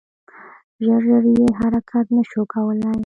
ژر ژر یې حرکت نه شو کولای .